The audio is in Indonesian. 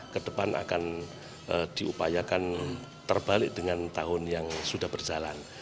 kedepan akan diupayakan terbalik dengan tahun yang sudah berjalan